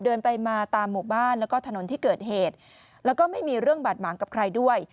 เดินไปมาตามหมู่บ้านแล้วก็ถนนที่เกิดเหตุแล้วก็ไม่มีเรื่องบาดหมางกับใครด้วย